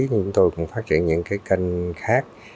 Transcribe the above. chúng tôi cũng phát triển những kênh khác